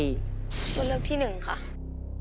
ตัวเลือกที่๑ค่ะ